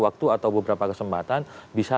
waktu atau beberapa kesempatan bisa